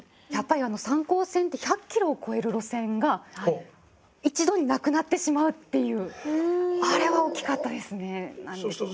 やっぱり三江線って１００キロを超える路線が一度になくなってしまうっていうあれは大きかったですね。